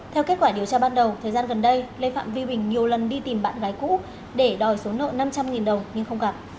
theo kết quả điều tra ban đầu thời gian gần đây lê phạm vi bình nhiều lần đi tìm bạn gái cũ để đòi số nợ năm trăm linh đồng nhưng không gặp